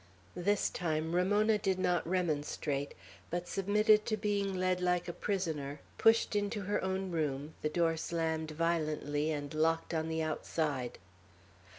This time Ramona did not remonstrate, but submitted to being led like a prisoner, pushed into her own room, the door slammed violently and locked on the outside.